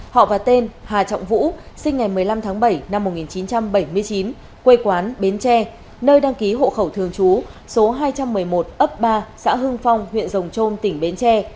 họ và tên hà trọng vũ sinh ngày một mươi năm tháng bảy năm một nghìn chín trăm bảy mươi chín quê quán bến tre nơi đăng ký hộ khẩu thường chú số hai trăm một mươi một ấp ba xã hưng phong huyện rồng trôm tỉnh bến tre